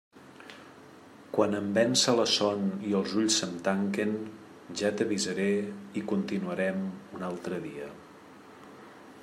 Quan em vença la son i els ulls se'm tanquen, ja t'avisaré i continuarem un altre dia.